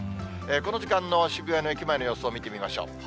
この時間の渋谷の駅前の様子を見てみましょう。